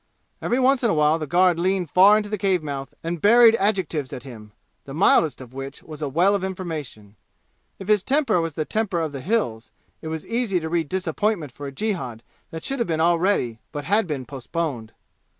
Every once in a while the guard leaned far into the cave mouth and hurled adjectives at him, the mildest of which was a well of information. If his temper was the temper of the "Hills," it was easy to read disappointment for a jihad that should have been already but had been postponed.